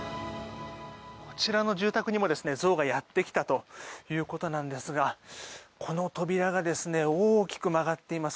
こちらの住宅にもゾウがやってきたということなんですがこの扉が大きく曲がっています。